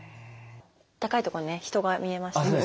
高いとこにね人が見えましたね。